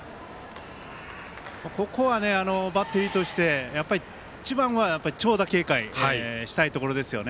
ここはバッテリーとして、一番は長打警戒したいところですよね。